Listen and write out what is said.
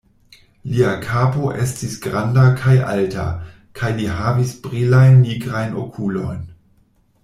Lia kapo estis granda kaj alta, kaj li havis brilajn nigrajn okulojn.